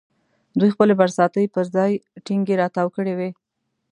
دوی خپلې برساتۍ پر ځان ټینګې را تاو کړې وې.